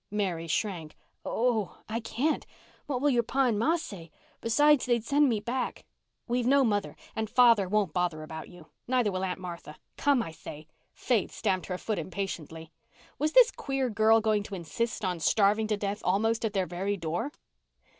Mary shrank. "Oh—I can't. What will your pa and ma say? Besides, they'd send me back." "We've no mother, and father won't bother about you. Neither will Aunt Martha. Come, I say." Faith stamped her foot impatiently. Was this queer girl going to insist on starving to death almost at their very door?